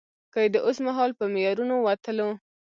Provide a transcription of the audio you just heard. که يې د اوسمهال په معیارونو وتلو.